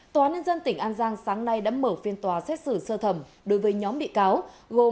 tòa án nhân dân tỉnh an giang sáng nay đã mở phiên tòa xét xử sơ thẩm đối với nhóm bị cáo gồm